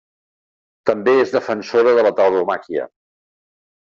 També és defensora de la tauromàquia.